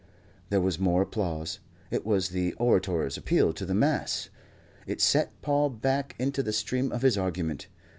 There was more applause. It was the orator's appeal to the mass. It set Paul back into the stream of his argument.